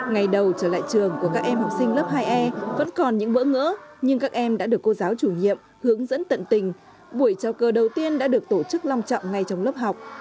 ngày đầu trở lại trường của các em học sinh lớp hai e vẫn còn những bỡ ngỡ nhưng các em đã được cô giáo chủ nhiệm hướng dẫn tận tình buổi trao cơ đầu tiên đã được tổ chức lòng trọng ngay trong lớp học